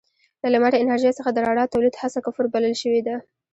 له لمر انرژۍ څخه د رڼا تولید هڅه کفر بلل شوې ده.